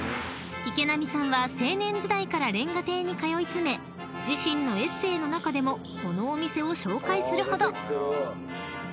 ［池波さんは青年時代から「煉瓦亭」に通い詰め自身のエッセーの中でもこのお店を紹介するほど］